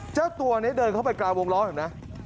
เจ้าตัวนี้เดินเข้าไปกลางวงล้อเห็นไหม